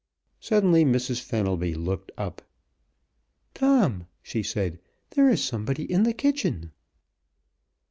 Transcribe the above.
Suddenly Mrs. Fenelby looked up. "Tom," she said, "there is somebody in the kitchen!"